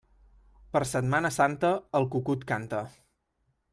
Per Setmana Santa, el cucut canta.